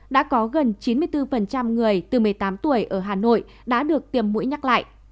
đã có gần chín mươi bốn người từ một mươi tám tuổi ở hà nội đã được tiêm mũi nhắc lại